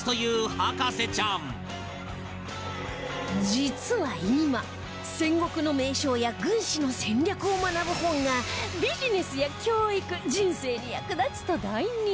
実は今戦国の名将や軍師の戦略を学ぶ本がビジネスや教育人生に役立つと大人気